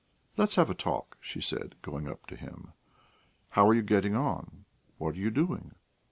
"Let us have a talk," she said, going up to him. "How are you getting on? What are you doing?